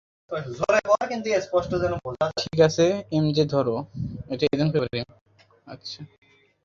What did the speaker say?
ঠিক আছে, এমজে, ধরো!